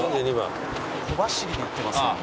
小走りになってますよ」